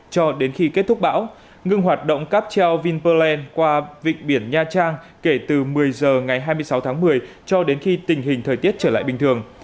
cho đến khi kết thúc bão ngưng hoạt động cáp treo vinpealand qua vịnh biển nha trang kể từ một mươi h ngày hai mươi sáu tháng một mươi cho đến khi tình hình thời tiết trở lại bình thường